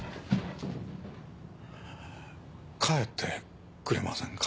帰ってくれませんか？